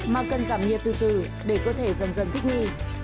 mà cần giảm nhiệt từ từ để cơ thể dần dần thích nghi